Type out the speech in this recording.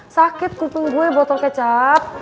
sakit kupung gue botol kecap